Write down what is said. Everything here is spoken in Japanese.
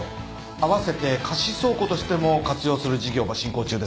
併せて貸倉庫としても活用する事業ば進行中です。